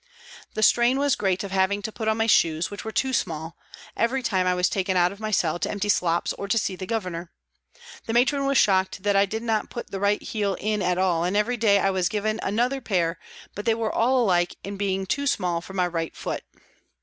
The strain was great of having to put on my shoes, which were too small, every time I was taken out of my cell to empty slops or to see the Governor. The Matron was shocked that I did not put the right heel in at all and every day I was given another pair, but they were all alike in being too small for my right foot.